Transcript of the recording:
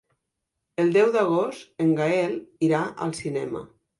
El deu d'agost en Gaël irà al cinema.